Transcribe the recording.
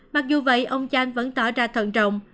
mặc dù vậy ông chan vẫn tỏ ra thận trọng